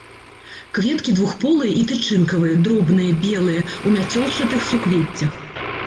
Кветкі двухполыя і тычынкавыя, дробныя, белыя, у мяцёлчатых суквеццях.